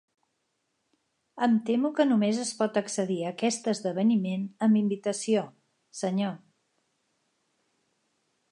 Em temo que només es pot accedir a aquest esdeveniment amb invitació, senyor.